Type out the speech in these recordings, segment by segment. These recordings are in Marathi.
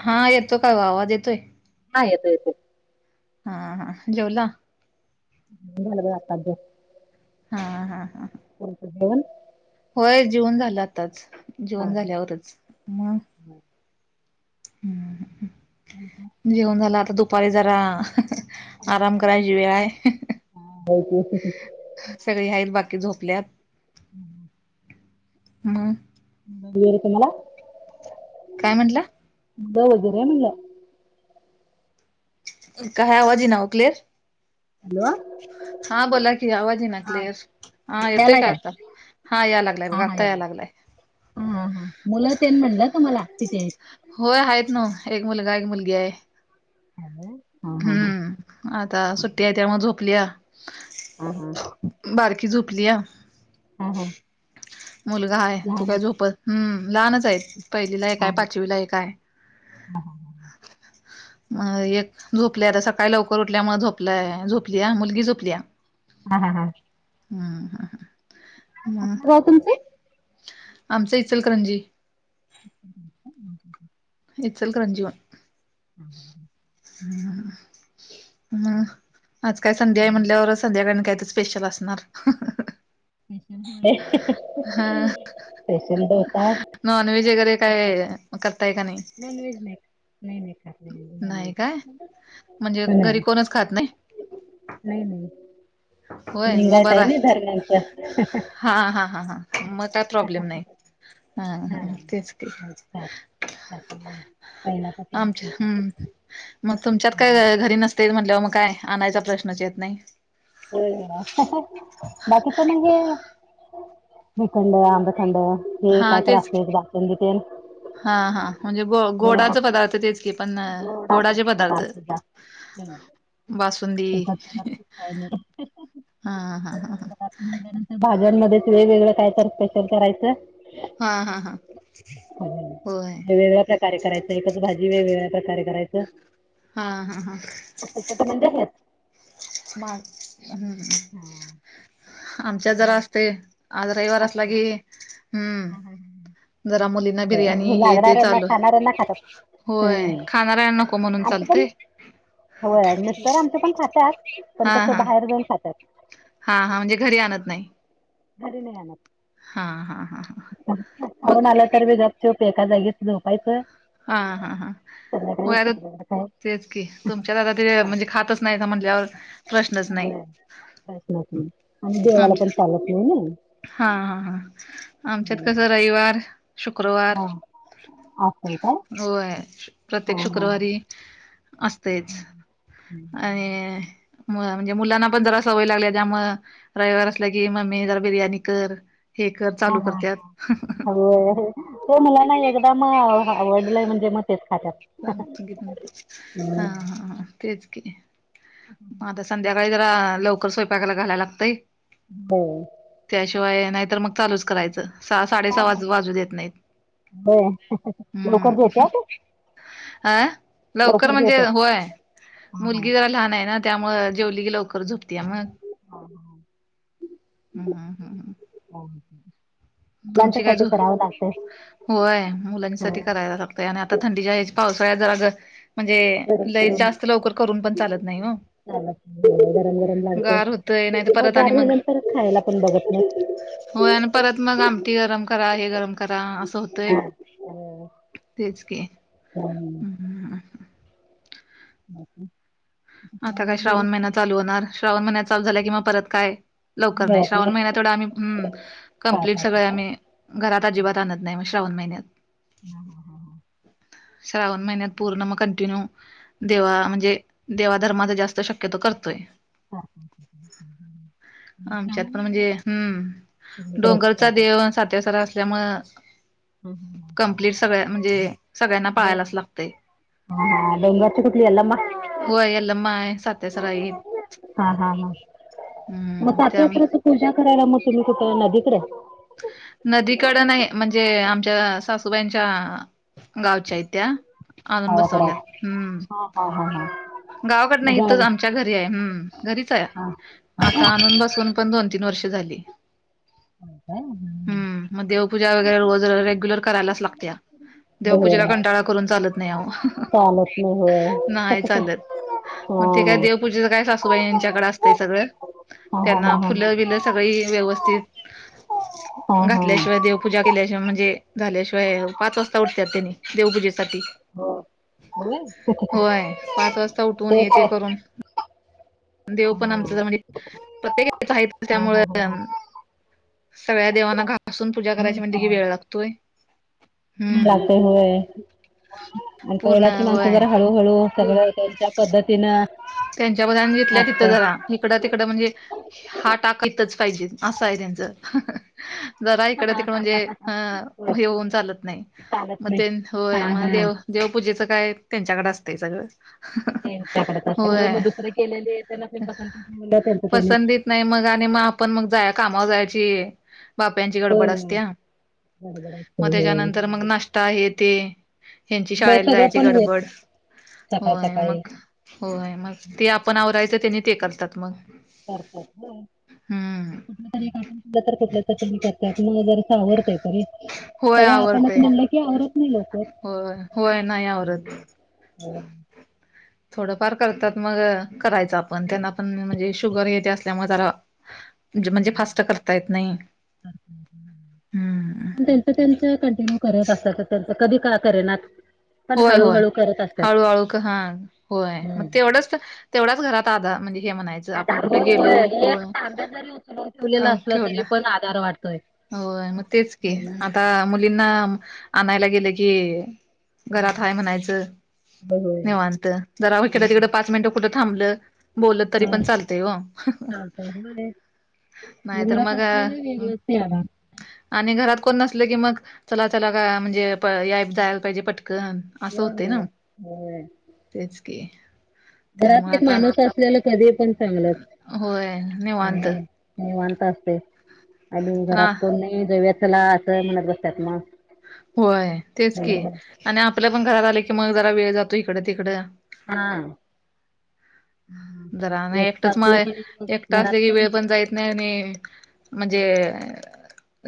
हा येतो का ग आवाज येतोय. हा येतोय येतोय हा हा जेवला. झालं ग आताच जस्ट हा हा हा तुमचं जेवण होय जेवण झालं आताच जेवण झाल्यावरच मग हम् ह् जेवण झालं आता दुपारी जरा आराम करायची वेळ आहे हा हो सगळी आहेत बाकी झोपल्यात हम् म [inaudible] ला काय म्हणला बरोबर आहे म्हणलं काय आवाज येईना ओ क्लिअर. हॅलो हा बोला की आवाज येईना क्लिअर हा आता येतोय यालाय का काय आता. हां याय लागला आहे बघा आत्ता याय लागलं आहे ह हां मुलं ते म्हणलं तुम्हाला किती आहेत होय आहेत नव्ह एक मुलगा एक मुलगी आहे हा हा हम्म आता सुट्टी आहे त्यामुळे झोपलीया ह हा बारकी झोपलीया हा हा मुलगा आहे तू लहान काय आहेत झोप हम लहानच आहे पहिलीला एक हा आहे हा पाच वी ला एक आहे म एक झोपल्या आता सकाळी लवकर उठल्यामुळे झोपलाय झोपलीया मुलगी झोपलीया हा हा हां हम हा ह म कुठलं गाव तुमचं आमचं इचलकरंजी ह ह इचलकरंजी हम् म आज काय संडे आहे म्हंटल्यावर संध्याकाळी कायतरी स्पेशल असणार [inaudible] स्पेशल दोसा नॉनव्हेज वगैरे काय करताय का नाही? नॉन व्हेज नाही नाही खात नॉनव्हेज नाही काय म्हणजे घरी नाही कोणच खात नाही नाही नाही होय म लिंगायत बरा ना आहे धर्मांचं हा हा हा हा मग काय प्रॉब्लेम नाही हा तेच की नाही खात पहिल्यापासूनच आमच्या [inaudible] हम्म मग तुमच्यात काय घरी नसते म्हटल्यावर मग काय आणायचा प्रश्नच येत नाही हो बाकीच म हे.... श्रीखंड आंबखंड हे हा कायत तेच असते भातून घ ते.... हा हा म्हणजे गो गोडाच पदार्थ तेच की पण गोडाचे पदार्थ..... ह [unintelligible] बासुंदी नाही. हा हा ह ह.... त्यानंतर भाज्यांमध्ये वेगवेगळं काय तर स्पेशल करायचं.... हा हा हा होय.... कार्य करायचं एकच भाजी वेगवेगळ्या प्रकारे करायचं.... हां हां हां.... त म्हणजे हे..... मार हम्म हम्म.... हम्म.... आमच्यात जरा असते आज रविवार असला असतंय की, का? हा हा हा. हम्म जरा मुलीना हो बिर्याणी हे ते लागणाऱ्यांना चालू.... खाणाऱ्यांना खातात. होय हम्म खाणाऱ्यांन नको म्हणून आमचं पण चालतय.... होय मिस्टर आमच्या पण खात्यात पण हा कसं हा बाहेर जाऊन खात.... हा हा म्हणजे घरी आणत नाही... घरी नाही आणत.... हा हा हा ह मग.... चूप एका जागेत झोपायचं.... हा हा संध्याकाळी होय आर कुठल्याकडे काय तेच की तुमच्यात आता ते म्हणजे चालेल खात असतील. नाहीसा म्हंटल्यावर.... होय आणि देवाला पण आमच्या चालत नाही ना. हा हा हा आमच्यात कसं रविवार.... शुक्रवार हां असं आहे काय होय प्रत्येक हां हां शुक्रवारी.... असतेच आणि.... मु म्हणजे मुलांना पण जरा सवय लागल्या त्यामुळ रविवार असला की मम्मी जरा बिर्याणी कर.... हे कर हां चालू हां हां करत्यात.... होय... ते मला ना एकदा म आवडलंय म्हणजे म.... सांगतो गी नंतर हा हम्म. हा हां..... तेच की मग आता संध्याकाळी जरा लवकर स्वयंपाकाला घालायला लागतंय. बो.... त्याशिवाय नाहीतर मग चालूच करायचं. सहा साडे हा, सहा हा. वाज वाजू देत नाहीत होय लवकर हम्म... जेवतात अ लवकर म्हणजे होय हां हां मुलगी जरा लहान आहे ना.... त्यामुळ जेवली लवकर झोपती हां मग.... ह.... तुमची काय झोप... होय हा मुलांसाठी करायला लागतय आणि आता थंडीच्या ह पावसाळ्यात जरा ग.... म्हणजे गरम लय जास्त लवकर करून पण चालत नाही हं.... लय गरम गरम लागते होतय नाही तर मग परत आणि गार झाल्यानंतर खायला पण बघत नाही. हो आणि परत मग आम... त गरम करा हे गरम करा असं होतय हा. तेच की, हम.... हम्म बाकी.... आता काय श्रावण महिना चालू होणार श्रावण महिन्यात चालू झाल्या किंवा परत काय? लवकर नाही श्रावण महिन्या तेवढा आम्ही हम कमप्लीट पाळतात असं सगळे काय? आम्ही.... घरात अजिबात आणत नाही मग श्रावण महिन्यात.... ह ह ह ह... [unintelligible] श्रावण महिन्यात पूर्ण मग कंटिन्यू देवा म्हणजे देवाधर्माचा जास्त शक्यतो करतोय. [inaudible] आमच्यात श्रावण पण महिन्यात म्हणजे हम्म सगळीकडेच डोंगरचा पाळतात. देव आणी सातीआसरा असल्यामुळ हा हा हा. कंप्लीट सगळ म्हणजे सगळ्यांना डो पाळायलाच लागते. हा हा डोंगरची कुठली यल्लमा होय, यल्लमा आहे, साती आसरा ये. हा हा हा मग त्याम सातीआसरा ची पूजा करायला मग तुम्ही तिथ नदीकडेच नदीकड नाही म्हणजे आमच्या सासूबाईंच्या गावच्या आहेत त्या आणून गावाकडं. बसवल्या हम्म.. हा हा हा हा. गावाकड नाही मग इथच गावी. आमच्या घरी आहे, हम्म घरीच आहे, हा. हो आता आणून बसून पण दोन तीन वर्ष झाली. हम ह [inaudible] हम् मग देवपूजा वगैरे रोज रेग्युलर करायलाच लागत्या हो देवपूजेला हो. कंटाळा करून चालत नाही, अहो चालत नाही होय. नाही चालत. मग ते काय देवपूजेच काय सासूबाई यांच्याकडे असतंय सगळं हा हा हा त्यांना हा हा फुलं बिलं सगळी व्यवस्थित हा हा घातल्याशिवाय देवपूजा केल्याशिवाय म्हणजे झाल्याशिवाय पाच वाजता उठत्यात त्यांनी देवपूजेसाठी हो होय होय. पाच वाजता उठून हे ते करून देव हा पण आमच हा म्हणजे प्रत्येकच आहे त्यामु हा हा हा सगळ्या देवांना घासून पूजा करायची म्हणजे की वेळ लागतोय. हम्म लागते हय आणि पूर्ण पहिलाची माणसं होय जरा हळू हळू सगळं त्यांच्या पद्धतीनं त्यांच्या मनानं जितल्या असतय तिथंचा राहा. इकडा तिकडं म्हणजे हा टाक इतच पाहिजे असं आहे त्यांचं जरा इकड तिकडं म्हणजे अ येऊन चालत नाही. चालत मग नाही. ते होय हा मग हा देव देवपूजेचं काय त्यांच्याकडे असतंय सगळं त्याच्याकडे होय अस मग दुसरे केलेले त्यांना ते पसंद येत नाही. म्हटले त्याचा त्यानी.. पसंत येत नाही मग आणि मग आपण मग जा कामावर जायची. बापयांची होय गडबड होय असतेय. ह बरोबर मग असतंय होय. त्याच्यानंतर मग नाश्ता हे तेे ह्यांची होय शाळेला सगळं जायची पण होत गडबड नाही सकाळ होय. सकाळी मग होय. मग ते आपण आवरायचं त्यांनी ते करतात मग करत्यात व्हय. हम्म कुठल तरी एक आपण कुठलं तर त्यानी करतात मग जर सावरते तरी होय सगळं आपणच आवरतय म्हणलं की आवरत नाही लवकर होय होय नाही आवरत. होय. थोडंफार करतात मग करायचं आपण त्यांना पण म्हणजे शुगर हे ते असल्यामुळे जरा म्हणजे फास्ट करता येत नाही हम् त्यांच कंटिन्यू करत असतात त्यांच कधी का करेनात पण होय होय हळूहळू करत असतात हळूहळू क हां होय मग तेवढंच तर तेवढाच घरात आधार म्हणजे हे म्हणायचं. आ आपण हो कुठे हो गेलो एक होय तांब्या जरी उचलून ठेवलेलं अ असलं तरी ठेवला पण आधार वाटतोय. होय मग तेच की आता होय मुलींना आणायला गेलं की, घरात हाय म्हणायचं होय निेवांत जरा इकडे तिकडं पाच मिनिटं कुठं थांबलं बोलत तरी हा, पण चालतय ओ.. चालतंय व्हय. नाहीतर मग [inaudible] आणि घरात कोण नसल की मग, चला काय म्हणजे या जायला पाहिजे पटकन. असं होय होतय होय ना. होय तेच की. घरात त्यामुळे एक आता माणूस असलेल कधी पण चांगलच. होय निवांत निवांत असते. आणि पण घरात कोण नाही जाऊ चला अस म्हणत बसतात. मग होय तेच की. हम्म. आणि आपल्या पण घरात आले की मग जरा वेळ जातो इकड तिकड. हा जरा नाही एकटं एकटंच म असलं का नाही एकट मग असल घरात की कोण वेळ पण जाईल. नाही म्हणे म्हणजे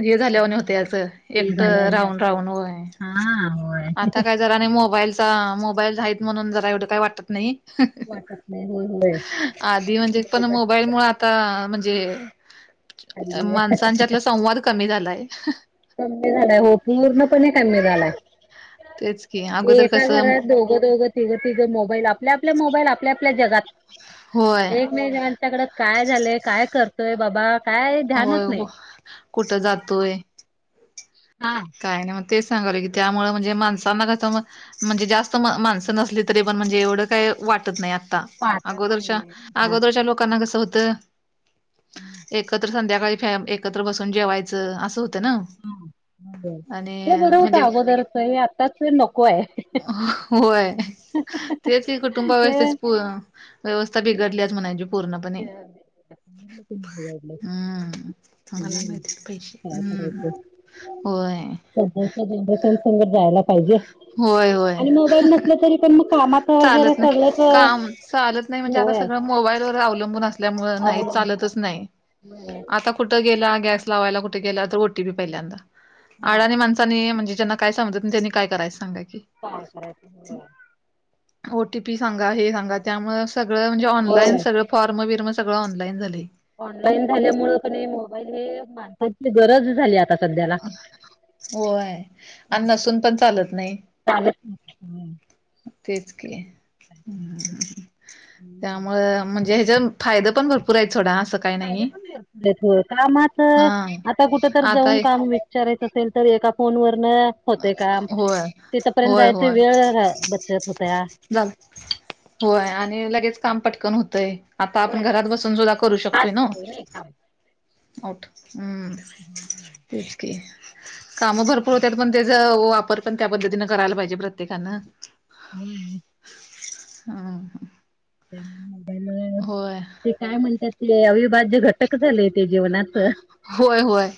हे झाल्यावाणी हा होत अस फ्री एकट झाल्यावाणी राहुन. वाटतंय. राहुन होय. हा होय आता काय जरा आणि मोबाईलचा मोबाईल आहेत म्हणून जरा एवढ काही वाटत नाही. वाटत नाही होय होय आधी म्हणजे पण बरोबर. मोबाईल मुळ आ आता म्हणजे, हल्ली माणसांच्यातला संवाद कमी झालाय. कमी झालाय. हो पूर्णपणे कमी झालाय. तेच की ते अगोदर एका कसं घरात दोघ दोघ तिघ तिघ मोबाईल. आपल्या आपल्या मोबाईल आपल्या आपल्या जगात. होय एकमेच्याकडे काय झालय, काय करतोय बाबा? काय ध्यानच होय नाही. कुठं जातोय. हा काय नाही मग तेच सांगावल की त्यामुळ म्हणजे माणसांना त्याचा म म्हणजे जास्त माणसं नसली तरी पण, म्हणजे एवढं काही वाटत नाही आता. पाहतच अगोदरच्या नाहीये हा अगोदरच्या लोकांना कस होत, एकत्र संध्याकाळी फॅम एकत्र बसून जेवायचं असं होतं ना. ते आणि बर होत म्हणजे अगोदरच. हे आत्ताच नको आहे. होय तेच ही कुटुंबा हे व्यवस्थेची व्यवस्था बिघडली म्हणायची. पूर्णपणे बिघडलं हम्म मला हम्म माहितीयेत पैसे. [unintelligible] होय सध्या जनरेशन संगत जायला पाहिजे. होय होय आणि मोबाईल नसला तरी पण मग कामात वगैरे चालत नाही. सगळंच काम हे चालत नाही. म्हणजे आता होय आहे सगळं मोबाईलवर अवलंबून असत. त्यामुळ नाही अवलंबून चालतच असतंय नाही. होय आता कुठ गेला गॅस लावायला कुठ गेला तर, ओ टी पी पहिल्यांदा. हा आडणी माणसांना म्हणजे ज्यांना काय समजत नाही त्यांनी कायरायच सांगा की. काय करायच व्हय. ओ टी पी सांगा. हे सांगा. त्यामुळ सगळं म्हणजे ऑनलाईन होय सगळं फॉर्म बिर्म सगळं ऑनलाईन झालय. ऑनलाईन झाल्यामुळे का नाही मोबाईल हे माणसाची गरज झाली आता. सध्याला होय. आणि नसून पण चालत नाही. चालच नाही. हम्म तेच की हम्म हम्म. त्यामुळ म्हण ह्याच्यातुन फायद पण भरपूर आहेत सोडा अस फायदे पण भरपूर आहेत हो. हा कामच आता कुठ तरी आता जाऊन एक काम वि विचारायचं असेल तर एका फोन वरन होते काम. होय तिथपर्यंत होय जायच होय वेळ रा बचत होतया. झालं, होय आणि लगेच काम पटकन होतंय. आता आपण घरात बसून सुुद्धा करू शकतोय ना. ते काम ऊठ हम्म तेच कि काम भरपूर होत्याात पण त्याचा वापर पण त्या पद्धतीनं करायला पाहिजे प्रत्येकान. व्हय. ह ह ते मोबाईल होय ते काय म्हणतात ते अविभाज्य घटक झाले ते जीवनात. होय होय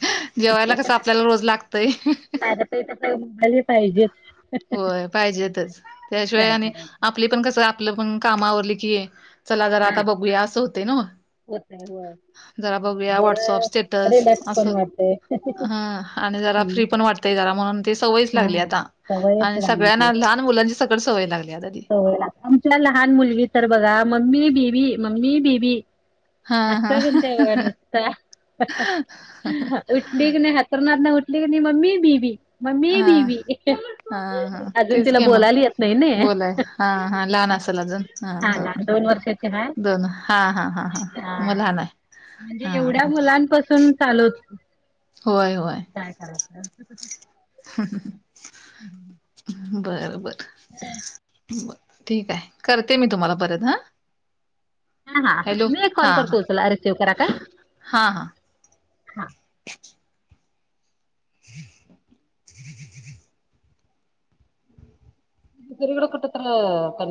जेवायला कस आपल्याला रोज लागतय मोबाईल हे पाहिजेच होय पाहिजेेतच त्याशिवाय काय आणि करायचं आपली पण कस आपलं पण काम आवरली की चला जरा हा आता बघूया असं होते ना होतय होय जरा बघूया व्हॉटसअ स्टे जरा स्टेटस रिलॅक्स पण असं वाटतय आणि जरा फ्री पण वाटतय जरा म्हणून ते संवयच हा लागली आता सवयच आणि लागली ती सगळ्याना लहान मुलांची सकट संवय लागली आता ती. सवय लागते. आमच्या लहान मुलगी तर बघा मम्मी बेबी मम्मी बेबी हा अस [unintelligible] हा बघा नुसत [unintelligible] न अंथरुणातून न उठली की नाय मम्मी बेबी मम्मी हा बेबी हा हा अजून तेच तिला की मग बोलायला येत नाही न बोलाय हा हा. लहान असल अजून हा हा लहान दोन वर्षाची हाय दोन हा हा हा हा मग लहान आहे. म्हणजे हा एवढ्या हा मुलांपासून चालवत होय होय काय करायचं? बर बर. बर ठीक आहे करते मी तुम्हाला परत हा. हा हा हॅलो मी एक हा कॉल हा करतो उचला रिसिव्ह करा काय हा हा. हि किि [inaudible]